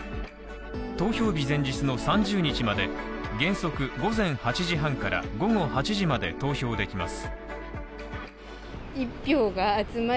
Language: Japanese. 投票日前日の３０日まで原則午前８時半から午後８時まで投票できます。